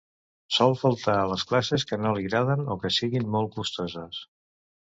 Sol faltar a les classes que no li agraden o que siguin molt costoses.